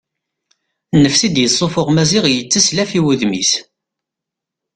Nnefs i d-yessuffuɣ Maziɣ yetteslaf i wudem-is.